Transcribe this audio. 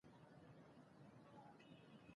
ږغونه تایید کړئ نور بس دی دا ځای.